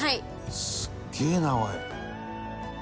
すげえなおい！